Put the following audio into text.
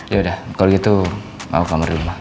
yaudah kalo gitu mau kamer dulu ma